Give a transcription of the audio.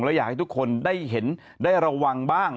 แล้วอยากให้ทุกคนได้เห็นได้ระวังบ้าง